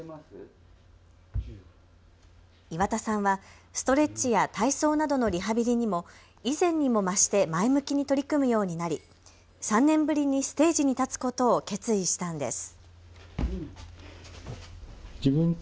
岩田さんはストレッチや体操などのリハビリにも以前にも増して前向きに取り組むようになり３年ぶりにステージに立つことを決意したんです。